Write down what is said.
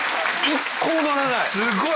すごい！